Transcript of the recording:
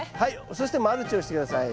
そしてマルチをして下さい。